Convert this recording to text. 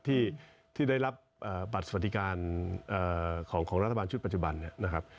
ที่ได้รับบัตรสวัสดิการของรัฐบาลชุดปัจจุบันเนี่ยนะครับ